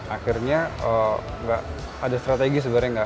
akhirnya ada strategi sebenarnya